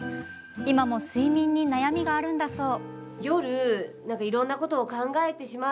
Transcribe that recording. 今も睡眠に悩みがあるんだそう。